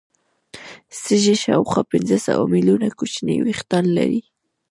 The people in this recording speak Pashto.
سږي شاوخوا پنځه سوه ملیونه کوچني وېښتان لري.